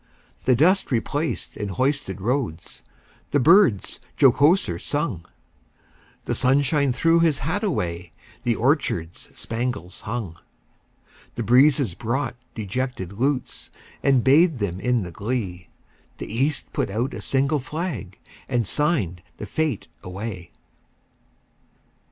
The dust replaced in hoisted roads, The birds jocoser sung; The sunshine threw his hat away, The orchards spangles hung. The breezes brought dejected lutes, And bathed them in the glee; The East put out a single flag, And signed the fete away.